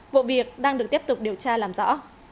vụ việc đang được tiếp tục điều tra làm rõ